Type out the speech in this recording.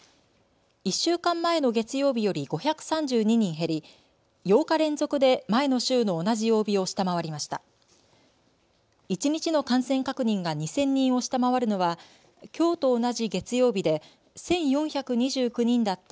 １週間前の月曜日より５３２人減り、８日連続で前の週の同じ曜日を下回りました。